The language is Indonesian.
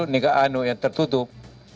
nega anu yang tertutup